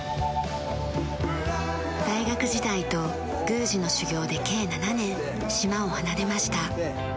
大学時代と宮司の修行で計７年島を離れました。